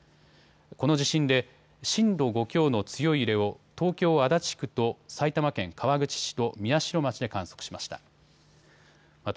この地震で震度５強の強い揺れを東京足立区と埼玉県川口市と宮代町で観測しました。